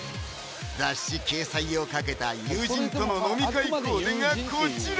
雑誌掲載を懸けた友人との飲み会コーデがこちら！